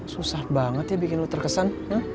susah banget ya bikin lo terkesan